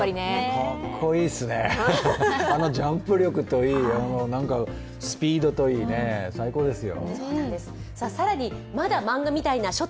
かっこいいですね、あのジャンプ力といい、スピードといい最高ですよ。